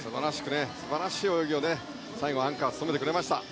素晴らしい泳ぎを最後、アンカー務めてくれました。